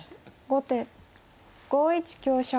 後手５一香車。